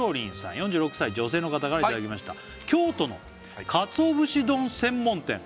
４６歳女性の方からいただきました「京都の鰹節丼専門店」